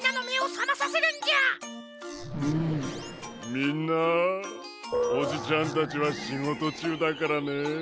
みんなおじちゃんたちはしごとちゅうだからね。